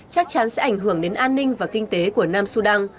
chắc chắn sẽ ảnh hưởng đến an ninh và kinh tế của nam sudan